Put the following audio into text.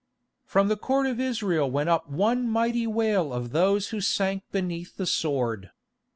From the Court of Israel went up one mighty wail of those who sank beneath the sword.